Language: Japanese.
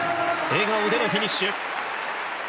笑顔でのフィニッシュ。